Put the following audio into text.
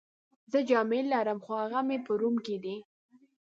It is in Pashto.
زه جامې لرم، خو هغه مې په روم کي دي.